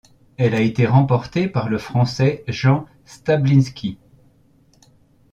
Elle a été remportée par le Français Jean Stablinski.